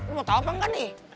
lo mau tau apa enggak nih